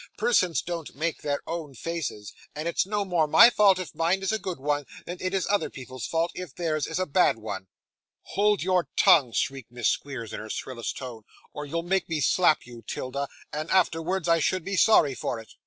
'Persons don't make their own faces, and it's no more my fault if mine is a good one than it is other people's fault if theirs is a bad one.' 'Hold your tongue,' shrieked Miss Squeers, in her shrillest tone; 'or you'll make me slap you, 'Tilda, and afterwards I should be sorry for it!